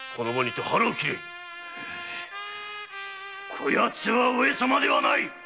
こやつは上様ではない！